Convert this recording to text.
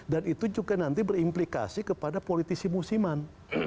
dan itu juga nanti berimplikasi kepada politisi musiman